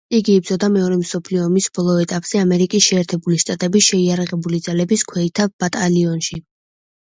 იგი იბრძოდა მეორე მსოფლიო ომის ბოლო ეტაპზე ამერიკის შეერთებული შტატების შეიარაღებული ძალების ქვეითთა ბატალიონში.